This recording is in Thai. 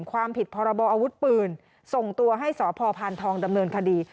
ความผิดพรบออาวุธปืนส่งตัวให้สพพานทองดำเนินคดี